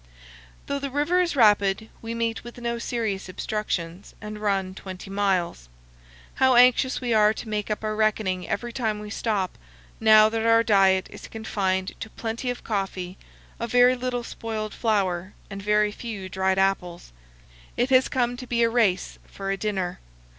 Though the river is rapid, we meet with no serious obstructions and run 20 miles. How anxious we are to make up our reckoning every time we stop, now that our diet is confined to plenty of coffee, a very 272 CANYONS OF THE COLORADO. little spoiled flour, and very few dried apples! It has come to be a race for a dinner.